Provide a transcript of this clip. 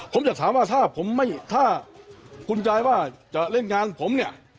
ผมอยากถามว่าถ้าผมไม่ถ้าคุณยายว่าจะเล่นงานผมเนี่ย